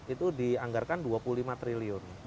itu dianggarkan dua puluh lima triliun